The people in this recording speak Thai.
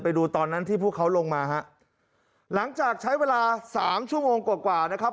ไปดูตอนนั้นที่พวกเขาลงมาฮะหลังจากใช้เวลาสามชั่วโมงกว่ากว่านะครับ